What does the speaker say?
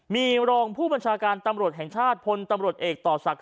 มีรองผู้บัญชาการตำรวจแห่งชาติพลตำรวจเอกต่อศักดิ